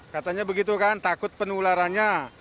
katanya begitu kan takut penularannya